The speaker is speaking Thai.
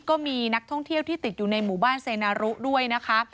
ก็มีนักท่องเที่ยวที่ติดอยู่ในหมู่บ้านเซนารุด้วยนะคะ